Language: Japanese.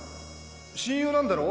親友なんだろ？